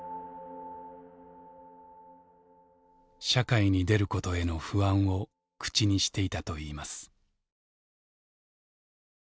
社会に出ることへの不安を口にしていたといいます。